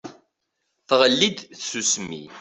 Tɣelli-d tsusmi.